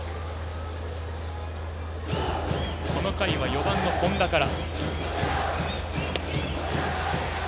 この回は４番の本多から。